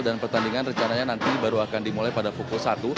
dan pertandingan rencananya nanti baru akan dimulai pada pukul satu